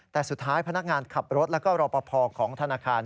แต่สุดท้ายพนักงานขับรถแล้วก็รอปภของธนาคาร